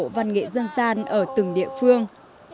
câu lạc bộ văn nghệ dân gian ở từng địa phương